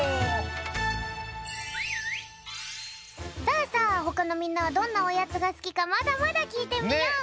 さあさあほかのみんなはどんなおやつがすきかまだまだきいてみよう。